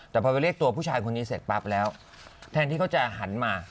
แต่พอไปเรียกตัวผู้ชายคนนี้เสร็จปั๊บแล้วแทนที่เขาจะหันมา